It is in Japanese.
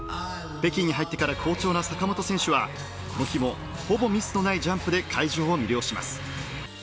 北京に入ってから好調な坂本選手はこの日もほぼミスのないジャンプで会場を魅了します。